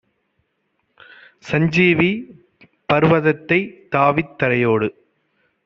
சஞ்சீவி பர்வதத்தைத் தாவித் தரையோடு